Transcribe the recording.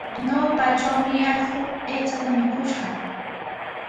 Ñawpatrawmi allqu aychata mikuskishqa.